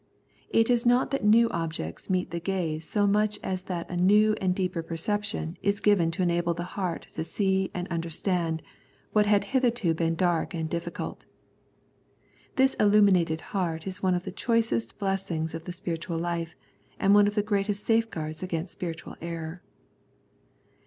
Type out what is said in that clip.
It is not that new objects meet the gaze so much as that a new and deeper perception is given to enable the heart to see and understand what had hitherto been dark and difhcult. This illuminated heart is one of the choicest blessings of the spiritual life and one of the greatest safeguards against spiritual error.